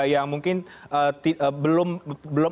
yang mungkin belum